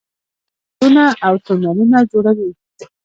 دوی پلونه او تونلونه جوړوي.